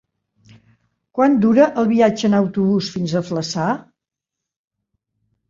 Quant dura el viatge en autobús fins a Flaçà?